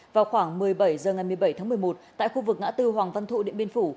vào khoảng một mươi bảy h ngày một mươi bảy tháng một mươi một tại khu vực ngã tư hoàng văn thụ điện biên phủ